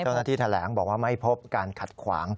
เจ้าหน้าที่แถลงบอกว่าไม่พบการขัดขวาง